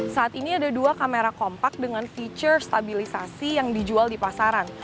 saat ini ada dua kamera kompak dengan fitur stabilisasi yang dijual di pasaran